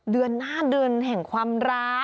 เดือนหน้าเดือนแห่งความรัก